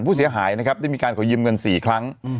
ผู้เสียหายนะครับได้มีการขอยืมเงิน๔ครั้ง